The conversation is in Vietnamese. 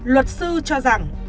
luật sư cho rằng